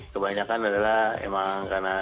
kebanyakan adalah emang karena